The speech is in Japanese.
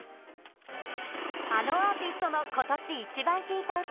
あのアーティストの今年イチバン聴いた歌。